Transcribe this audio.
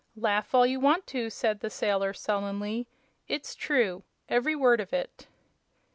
"Laugh all you want to," said the sailor, sullenly; "it's true ev'ry word of it!"